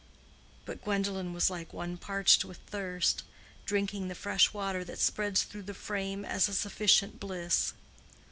But Gwendolen was like one parched with thirst, drinking the fresh water that spreads through the frame as a sufficient bliss.